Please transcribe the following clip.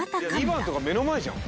２番とか目の前じゃん。